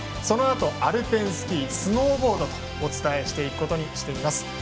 そのあと、アルペンスキースノーボードとお伝えしていくことにしています。